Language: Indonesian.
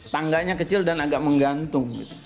tangganya kecil dan agak menggantung